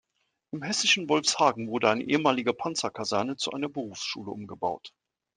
Im hessischen Wolfhagen wurde eine ehemalige Panzerkaserne zu einer Berufsschule umgebaut.